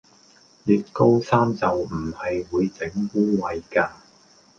捋高衫袖唔係會整污穢㗎